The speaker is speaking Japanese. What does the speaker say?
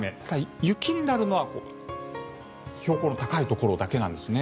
雪になるのは標高の高いところだけなんですね。